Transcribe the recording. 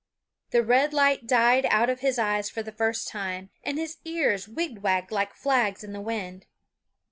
The red light died out of his eyes for the first time, and his ears wigwagged like flags in the wind.